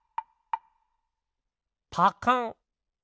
パカン。